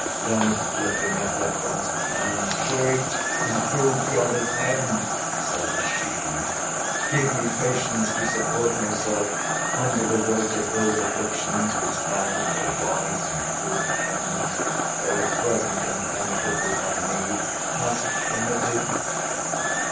—Then, lifting up her clasped hands, 'Great and good God of Heaven,' said she, 'give me patience to support myself under the weight of those afflictions, which thou, for wise and good ends, though at present impenetrable by me, hast permitted!